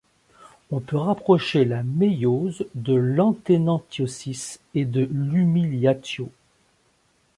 On peut rapprocher la méiose de l'antenantiosis et de l'humiliatio.